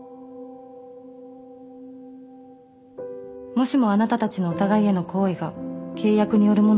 もしもあなたたちのお互いへの好意が契約によるものだとしたら。